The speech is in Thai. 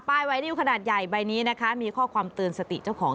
ไวนิวขนาดใหญ่ใบนี้นะคะมีข้อความเตือนสติเจ้าของ